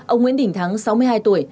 ông nguyễn đình thắng sáu mươi hai tuổi